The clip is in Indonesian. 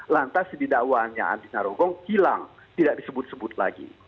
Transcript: lantas di dakwaannya andina rogong hilang tidak disebut sebut lagi